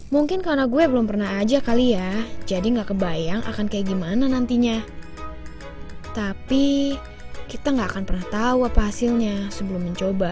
mungkin karena gue belum pernah aja kali ya jadi nggak kebayang akan kayak gimana nantinya tapi kita nggak akan pernah tahu apa hasilnya sebelum mencoba